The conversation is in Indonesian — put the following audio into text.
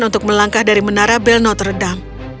untuk melangkah dari menara belnotredam